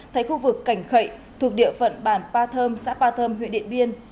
tại khu vực cảnh khậy thuộc địa phận bản pa thơm xã pa thơm huyện điện biên